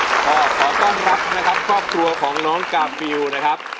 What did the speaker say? ขอต้องรับครอบครัวของน้องกาฟิวนะครับ